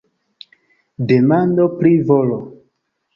Demando pri volo.